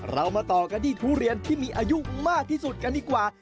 เรามาต่อกันที่ทุเรียนที่มีอายุมากที่สุดกันดีกว่า